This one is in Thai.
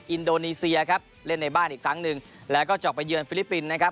อินโดนีเซียครับเล่นในบ้านอีกครั้งหนึ่งแล้วก็เจาะไปเยือนฟิลิปปินส์นะครับ